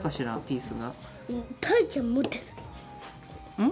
うん？